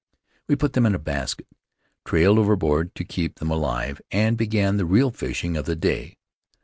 We put them in a basket, trailed over board to keep them alive, and began the real fishing of the day.